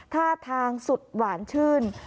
ท่าทางสุดหวานชื่น